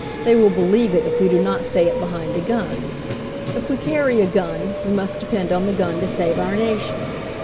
They will believe it, if we do not say it behind a gun. "If we carry a gun, we must depend on the gun to save our nation.